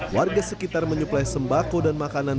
warga sekitar menyuplai sembako dan makanan